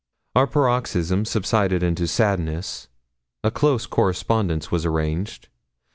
Our paroxysms subsided into sadness; a close correspondence was arranged.